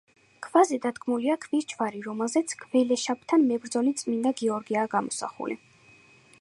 ქვაზე დადგმულია ქვის ჯვარი, რომელზეც გველეშაპთან მებრძოლი წმინდა გიორგია გამოსახული.